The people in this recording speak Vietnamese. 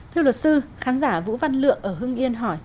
thưa luật sư khán giả vũ văn lượng ở hưng yên hỏi